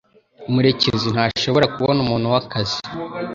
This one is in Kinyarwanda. Murekezi ntashobora kubona umuntu wakazi.